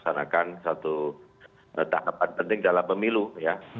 melaksanakan satu tahapan penting dalam pemilu ya